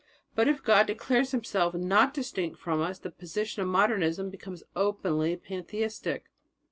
But if God declares Himself not distinct from us, the position of Modernism becomes openly pantheistic."